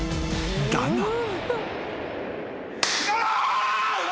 ［だが］